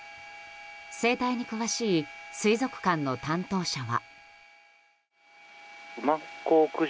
生態に詳しい水族館の担当者は。